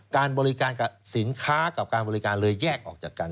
การบริการกับสินค้ากับการบริการเลยแยกออกจากกัน